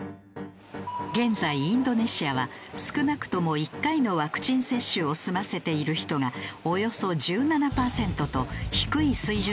現在インドネシアは少なくとも１回のワクチン接種を済ませている人がおよそ１７パーセントと低い水準にとどまっている。